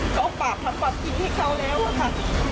เขาเอาปากผัดจริงให้เขาแล้วค่ะ